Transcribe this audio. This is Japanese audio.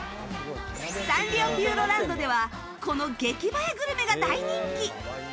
サンリオピューロランドではこの激映えグルメが大人気。